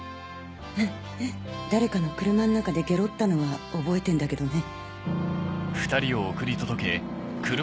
ハハっ誰かの車の中でゲロったのは覚えてんだけどね